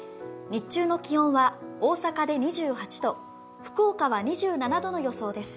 日中の気温は大阪で２８度、福岡は２７度の予想です。